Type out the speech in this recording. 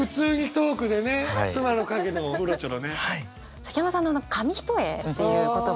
崎山さんの「紙一重」っていう言葉。